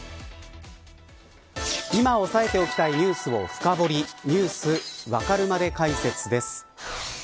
今押さえておきたいニュースを深掘りニュースわかるまで解説です。